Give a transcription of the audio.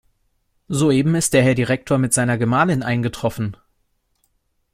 Soeben ist der Herr Direktor mit seiner Gemahlin eingetroffen.